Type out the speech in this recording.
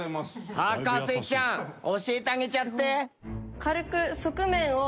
博士ちゃん教えてあげちゃって。